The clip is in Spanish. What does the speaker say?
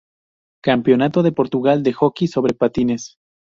Campeonato de Portugal de hockey sobre patines